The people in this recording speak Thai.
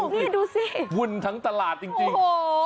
นี่ดูสิวุ่นทั้งตลาดจริง